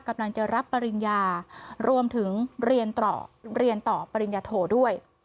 กำลังจะรับปริญญารวมถึงเรียนต่อเรียนต่อปริญญาโทด้วย